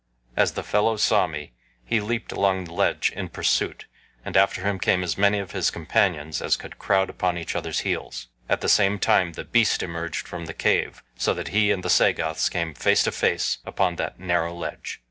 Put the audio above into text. As the fellow saw me he leaped along the ledge in pursuit, and after him came as many of his companions as could crowd upon each other's heels. At the same time the beast emerged from the cave, so that he and the Sagoths came face to face upon that narrow ledge.